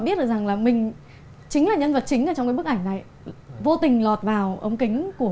bất ngờ rằng là mình chính là nhân vật chính là trong cái bức ảnh này vô tình lọt vào ống kính của